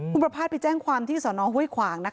คุณประพาทไปแจ้งความที่สอนอห้วยขวางนะคะ